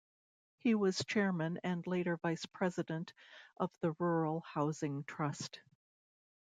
He was chairman and later vice-president of the Rural Housing Trust.